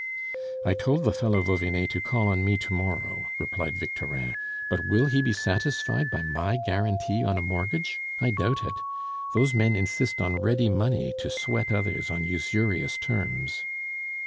"I told the fellow Vauvinet to call on me to morrow," replied Victorin, "but will he be satisfied by my guarantee on a mortgage? I doubt it. Those men insist on ready money to sweat others on usurious terms."